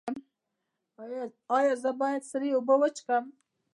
ایا زه باید سړې اوبه وڅښم؟